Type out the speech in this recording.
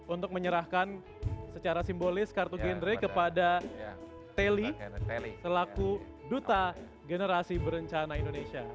untuk menyerahkan secara simbolis kartu gendre kepada teli selaku duta generasi berencana indonesia